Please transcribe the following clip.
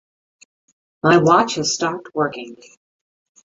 My watch has stopped working.